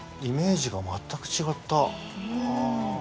イメージが全く違った。